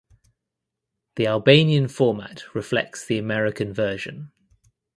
The Albanian format reflects the American version.